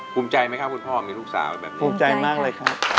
คุ้มใจไหมคะคุณพ่อมีลูกสาวแบบนี้